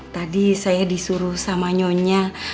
tadi saya disuruh sama nyonya